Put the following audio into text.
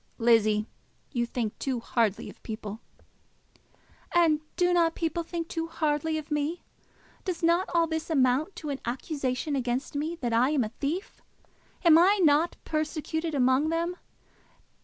"Lizzie, you think too hardly of people." "And do not people think too hardly of me? Does not all this amount to an accusation against me that I am a thief? Am I not persecuted among them?